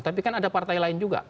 tapi kan ada partai lain juga